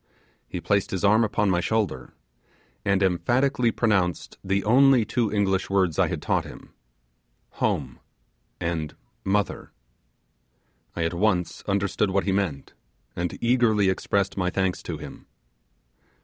He placed his arm upon my shoulder, and emphatically pronounced the only two English words I had taught him 'Home' and 'Mother'. I at once understood what he meant, and eagerly expressed my thanks to him.